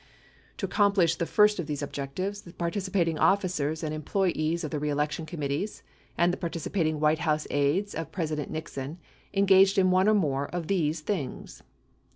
To accomplish the first of these objectives, the participating officers and employees of the reelection committees and the participating White House aides of President Nixon engaged in one or more of these things : 1.